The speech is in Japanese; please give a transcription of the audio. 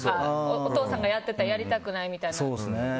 お父さんがやってたのはやりたくないみたいな。